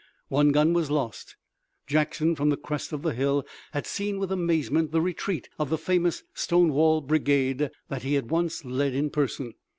One gun was lost. Jackson from the crest of the hill had seen with amazement the retreat of the famous Stonewall Brigade that he had once led in person.